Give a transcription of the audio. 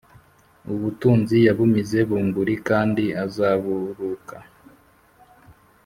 Ubutunzi yabumize bunguri kandi azaburuka